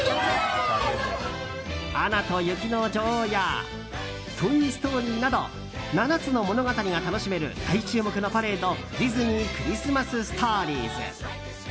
「アナと雪の女王」や「トイ・ストーリー」など７つの物語が楽しめる大注目のパレードディズニー・クリスマス・ストーリーズ。